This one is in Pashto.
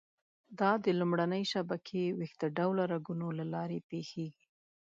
دا د لومړنۍ شبکې ویښته ډوله رګونو له لارې پېښېږي.